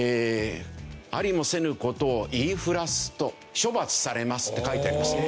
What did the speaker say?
「ありもせぬ事を言い触らすと処罰されます」って書いてあります。